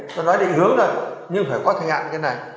tôi nói định hướng thôi nhưng phải có thời hạn như thế này